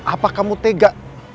apa kamu tega